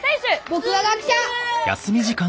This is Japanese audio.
僕は学者！